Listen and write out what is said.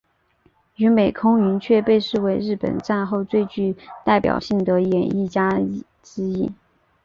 与美空云雀被视为日本战后最具代表性的演艺家之一。